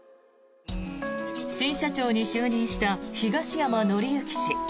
新社長に就任した東山紀之氏。